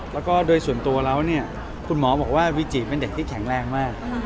และโดยส่วนตัวผมคุณหมอบอกว่าวิจิกิสารเป็นเด็กที่แข็งแรงมาก